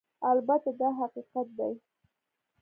البته دا حقیقت دی